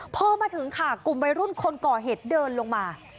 พอมาถึงค่ะกลุ่มวัยรุ่นคนก่อเหตุเดินลงมา